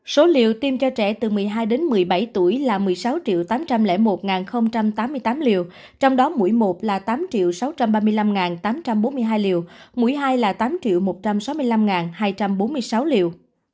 số liệu tiêm cho trẻ từ một mươi hai đến một mươi bảy tuổi là một mươi sáu tám trăm linh một tám mươi tám liều trong đó mũi một là tám sáu trăm ba mươi năm tám trăm bốn mươi hai liều mũi hai là tám một trăm sáu mươi năm hai trăm bốn mươi sáu liều